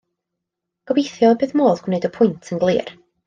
Gobeithio y bydd modd gwneud y pwynt yn glir.